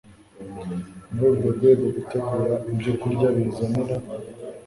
Muri urwo rwego, gutegura ibyokurya bizanira